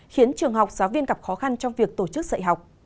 khiến trường học giáo viên gặp khó khăn trong việc tổ chức dạy học